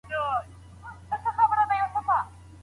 د طبي وسایلو پرزې څنګه پیدا کیږي؟